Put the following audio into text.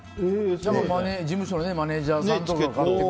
事務所のマネジャーさんとかが買ってくれる。